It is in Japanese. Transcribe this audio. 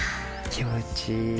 気持ちいい。